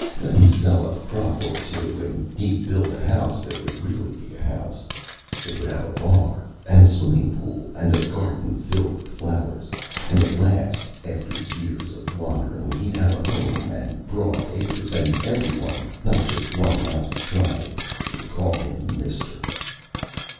Let him sell a crop or two and he'd build a house that would really be a house. It would have a bar and swimming pool and a garden filled with flowers, and at last, after years of wandering, he'd have a home and broad acres and everyone, not just one lousy tribe, would call him mister.